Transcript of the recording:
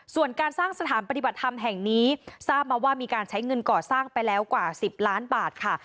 ส่วนการสร้างสถานปฏิบัติธรรมแห่งนี้ทราบมาว่ามีการใช้เงินก่อสร้างไปแล้วกว่า๑๐ล้านบาทค่ะ